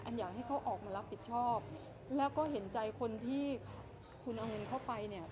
อยากให้เขาออกมารับผิดชอบแล้วก็เห็นใจคนที่คุณเอาเงินเข้าไปเนี่ย